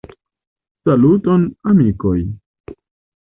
Saluton, amikoj!